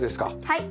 はい。